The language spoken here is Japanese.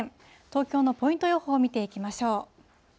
東京のポイント予報見ていきましょう。